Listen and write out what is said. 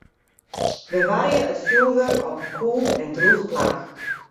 Bewarje it fjoerwurk op in koel en drûch plak.